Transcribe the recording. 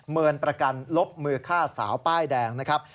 เมินประกันลบมือฆ่าสาวป้ายแดงนะครับ